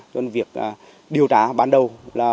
cho nên việc điều tra ban đầu